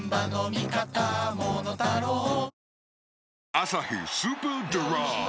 「アサヒスーパードライ」